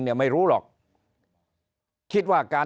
นายกรัฐมนตรีพูดเรื่องการปราบเด็กแว่น